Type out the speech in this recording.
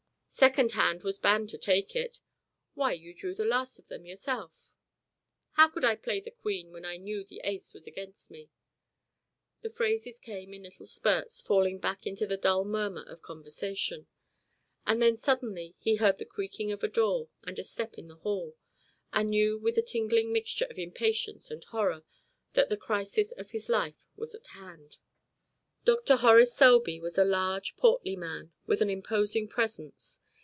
"Second hand was bound to take it." "Why, you drew the last of them yourself!" "How could I play the queen when I knew that the ace was against me?" The phrases came in little spurts falling back into the dull murmur of conversation. And then suddenly he heard the creaking of a door and a step in the hall, and knew with a tingling mixture of impatience and horror that the crisis of his life was at hand. Dr. Horace Selby was a large, portly man with an imposing presence.